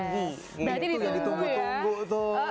berarti ditunggu tunggu tuh